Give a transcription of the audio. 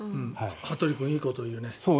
羽鳥君、いいこと言うね。